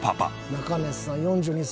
中根さん４２歳。